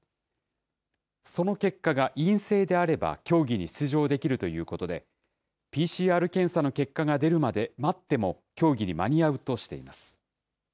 その結果が陰性であれば競技に出場できるということで、ＰＣＲ検査の結果が出るまで待っても、競技に間に合うとしています。